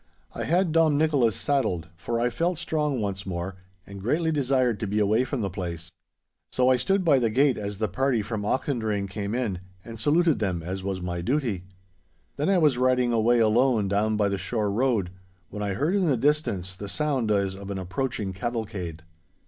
I had Dom Nicholas saddled, for I felt strong once more, and greatly desired to be away from the place. So I stood by the gate as the party from Auchendrayne came in, and saluted them, as was my duty. Then I was riding away alone down by the shore road, when I heard in the distance the sound as of an approaching cavalcade.